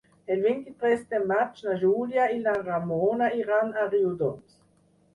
El vint-i-tres de maig na Júlia i na Ramona iran a Riudoms.